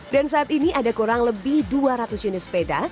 dan saat ini ada kurang lebih dua ratus unit sepeda